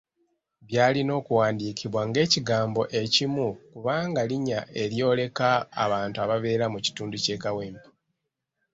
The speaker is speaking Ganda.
Byalina okuwandiikibwa ng'ekigambo ekimu kubanga linnya eryoleka abantu ababeera mu kitundu ky'e Kawempe.